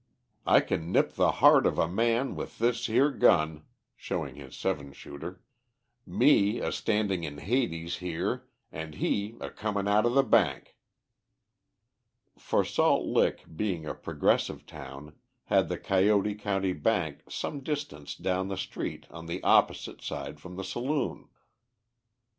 I can nip the heart of a man with this here gun" showing his seven shooter, "me a standing in Hades here and he a coming out of the bank." For Salt Lick, being a progressive town, had the Coyote County Bank some distance down the street on the opposite side from the saloon.